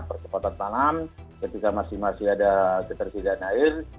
percepatan tanam ketika masih masih ada ketersediaan air